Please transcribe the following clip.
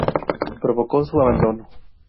Provocó su abandono.